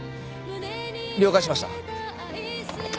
了解しました。